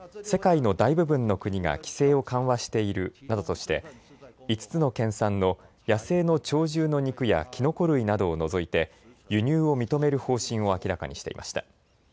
世界の大部分の国が規制を緩和しているなどとして５つの県産の野生の鳥獣の肉やキノコ類などを除いて輸入を認める方針を明らかにしていました。